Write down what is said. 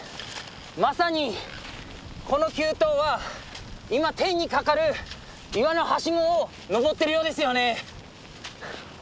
まさにこの急登は今天に架かる岩のハシゴを登ってるようですよね。